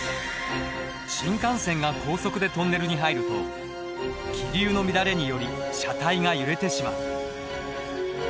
新幹線が高速でトンネルに入ると気流の乱れにより車体が揺れてしまう。